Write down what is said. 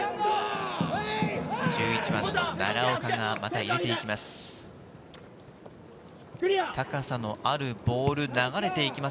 １１番・奈良岡がまた入れていきます。